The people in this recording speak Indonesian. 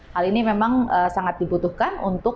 hal ini memang sangat dibutuhkan untuk